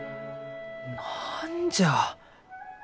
何じゃあ。